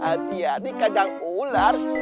hati hati kadang ular